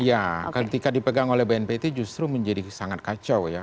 iya ketika dipegang oleh bnpt justru menjadi sangat kacau ya